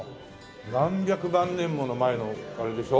何百万年も前のあれでしょ？